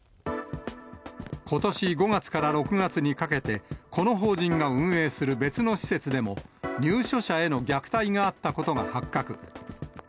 ことし５月から６月にかけて、この法人が運営する別の施設でも、入所者への虐待があったことが発覚。